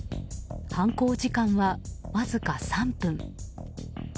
犯行時間は、わずか３分。